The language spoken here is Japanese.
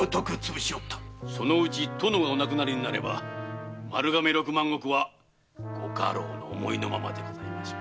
そのうち殿がお亡くなりになれば丸亀六万石はご家老の思いのままでございましょう。